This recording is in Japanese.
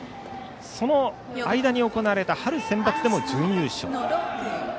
その間に行われた春センバツでも準優勝。